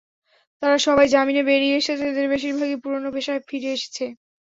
তারা সবাই জামিনে বেরিয়ে এসেছে, এদের বেশির ভাগই পুরোনো পেশায় ফিরে এসেছে।